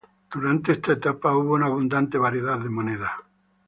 Durante esta etapa hubo una abundante variedad de moneda.